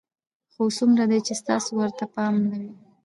خو دومره ده چې ستاسو ورته پام نه وي.